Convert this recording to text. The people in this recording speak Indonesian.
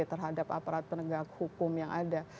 terhadap aparat penegak hukum yang ada